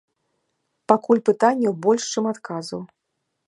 Пакуль пытанняў больш, чым адказаў.